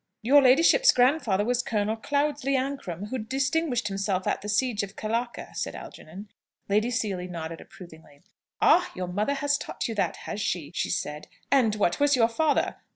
"Your ladyship's grandfather was General Cloudesley Ancram, who distinguished himself at the siege of Khallaka," said Algernon. Lady Seely nodded approvingly. "Ah, your mother has taught you that, has she?" she said. "And what was your father?